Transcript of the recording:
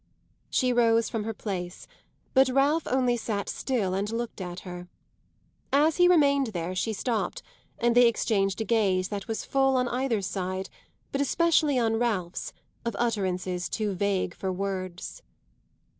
She rose from her place, but Ralph only sat still and looked at her. As he remained there she stopped, and they exchanged a gaze that was full on either side, but especially on Ralph's, of utterances too vague for words.